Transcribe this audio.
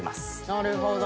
「なるほど」